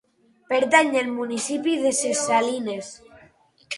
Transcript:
Pertany al municipi de Ses Salines.